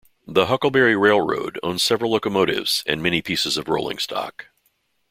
The Huckleberry Railroad owns several locomotives and many pieces of rolling stock.